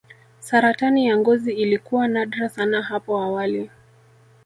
saratani ya ngozi ilikuwa nadra sana hapo awali